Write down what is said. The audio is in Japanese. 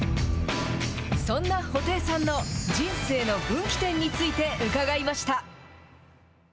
そんな布袋さんの人生の分岐点について伺いました。